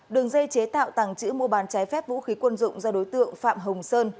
đường dây chế tạo tàng trữ mua bán trái phép vũ khí quân dụng do đối tượng phạm hồng sơn